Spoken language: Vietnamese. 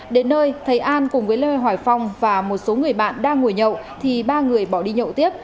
đến nơi thấy an cùng với lê hoài phong và một số người bạn đang ngồi nhậu thì ba người bỏ đi nhậu tiếp